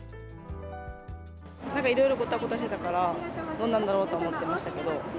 なんかいろいろごたごたしてたから、どうなんだろうと思ってましたけど。